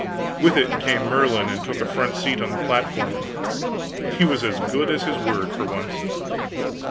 With it came Merlin, and took a front seat on the platform; he was as good as his word for once.